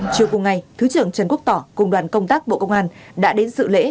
chiều cùng ngày thứ trưởng trần quốc tỏ cùng đoàn công tác bộ công an đã đến sự lễ